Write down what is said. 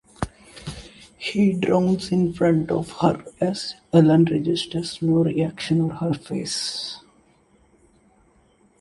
He drowns in front of her as Ellen registers no reaction on her face.